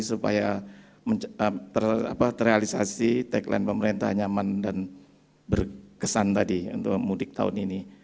supaya terrealisasi tagline pemerintah nyaman dan berkesan tadi untuk mudik tahun ini